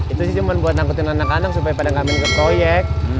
itu sih cuma buat nangkutin anak anak supaya pada gak main kekoyek